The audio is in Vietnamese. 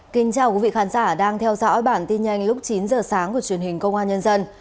kính chào quý vị khán giả đang theo dõi bản tin nhanh lúc chín giờ sáng của truyền hình công an nhân dân